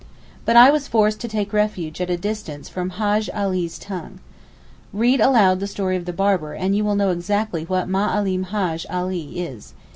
But I was forced to take refuge at a distance from Hajj' Alee's tongue. Read the story of the Barber, and you will know exactly what Ma alim Hajj' Alee is.